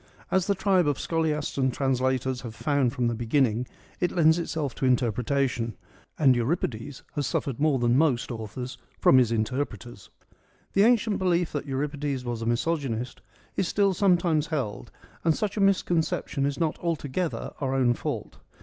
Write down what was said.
As the tribe of scholiasts and translators have found from the beginning, it lends itself to interpretation ; and Euripides has suffered more than most authors from his interpreters. The ancient belief that Euripides was a misogynist is still sometimes held, and such a misconception is not altogether our own fault.